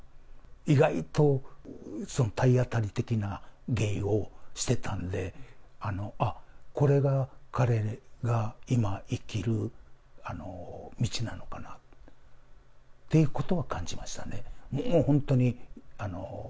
意外と体当たり的な芸をしてたんで、あっ、これが彼が今、生きる道なのかなっていうことは感じましたね。